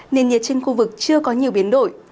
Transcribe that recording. nền nhiệt trên khu vực chưa có nhiều biến đổi